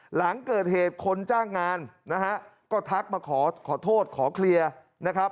หลังเกิดเหตุคนจ้างงานนะฮะก็ทักมาขอโทษขอเคลียร์นะครับ